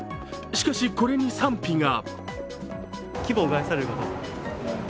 しかし、これに賛否が。